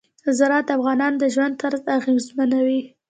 زراعت د افغانانو د ژوند طرز اغېزمنوي.